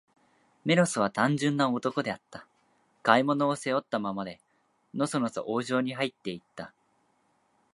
メロスは、単純な男であった。買い物を、背負ったままで、のそのそ王城にはいって行った。